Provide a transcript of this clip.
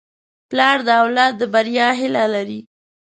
پلار د اولاد د بریا هیله لري.